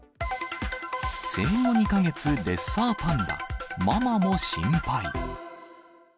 生後２か月レッサーパンダ、ママも心配。